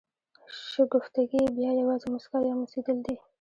شګفتګي بیا یوازې مسکا یا موسېدل دي.